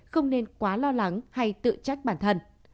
không nên quá lo lắng hay tự trách bản thân